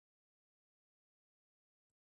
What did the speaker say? پکتیکا د افغانستان د سیاسي جغرافیه برخه ده.